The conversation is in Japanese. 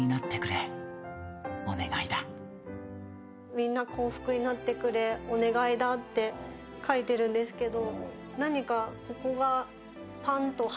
みんな幸福になってくれ、お願いだと書いてるんですけど。